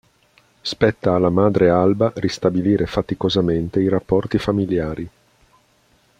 Spetta alla madre Alba ristabilire faticosamente i rapporti familiari.